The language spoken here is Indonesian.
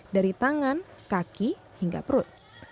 dari tangan kaki hingga perut